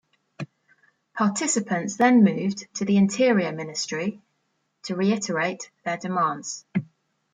Participants then moved to the Interior Ministry to reiterate their demands.